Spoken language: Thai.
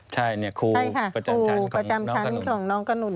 ใช่เนี่ยครูประจำชั้นของน้องกะหนุน